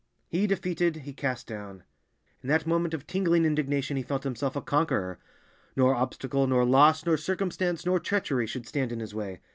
He defeated, he cast down! In that moment of tingling indignation he felt himself a conqueror; nor obstacle, nor loss, nor circumstance, nor treachery should stand in his way.